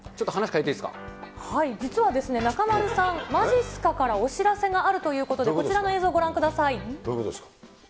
はい、実は中丸さん、まじっすかからお知らせがあるということで、こちらの映像、ご覧くださどういうことですか。